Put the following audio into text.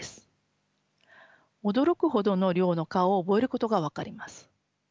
驚くほどの量の顔を覚えることが分かります。